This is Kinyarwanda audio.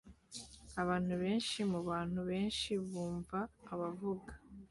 Abantu benshi mubantu benshi bumva abavuga